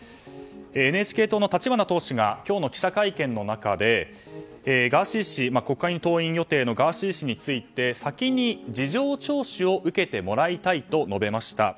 ＮＨＫ党の立花党首が今日の記者会見の中で国会に登院予定のガーシー氏について先に事情聴取を受けてもらいたいと述べました。